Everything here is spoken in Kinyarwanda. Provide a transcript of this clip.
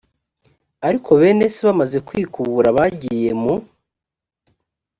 ariko bene se bamaze kwikubura bagiye mu